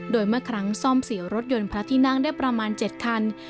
โดยเมื่อครั้งซ่อมเสียวรถยนต์พระที่นั่งได้ประมาณ๗คัน